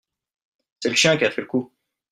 C’est le chien qui a fait le coup.